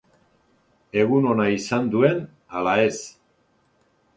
Egun ona izan duen ala ez?